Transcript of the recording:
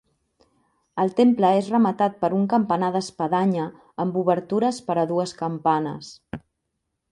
El temple és rematat per un campanar d'espadanya amb obertures per a dues campanes.